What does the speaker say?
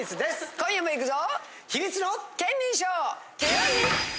今夜もいくぞ！